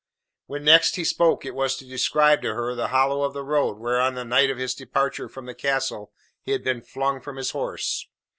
When next he spoke, it was to describe to her the hollow of the road where on the night of his departure from the castle he had been flung from his horse.